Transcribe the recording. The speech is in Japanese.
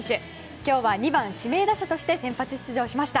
今日は２番、指名打者として先発出場しました。